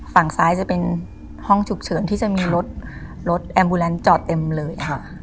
ฝั่งซ้ายจะเป็นห้องฉุกเฉินที่จะมีรถรถแอมบูแลนด์จอดเต็มเลย